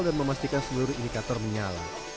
dan memastikan seluruh indikator menyala